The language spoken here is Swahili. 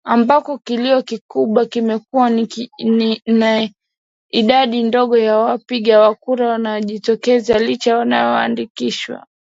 ambapo kilio kikubwa kimekuwa ni idadi ndogo ya wapiga kura waliojitokeza licha ya walioandikishwa